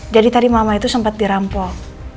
jadi tadi mama itu sempat dirampok